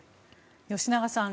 吉永さん